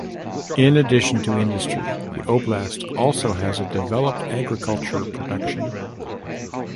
In addition to industry, the oblast also has a developed agriculture production.